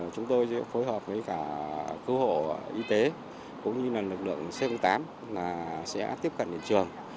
chúng tôi sẽ phối hợp với cả cứu hộ y tế cũng như là lực lượng c tám sẽ tiếp cận điện trường